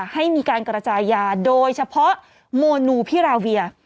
ให้มีการกระจายยาโดยเฉพาะโมนูพิราเวีย